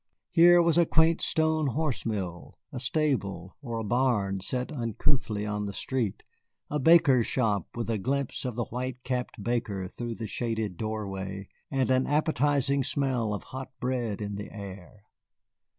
Here was a quaint stone horse mill, a stable, or a barn set uncouthly on the street; a baker's shop, with a glimpse of the white capped baker through the shaded doorway, and an appetizing smell of hot bread in the air.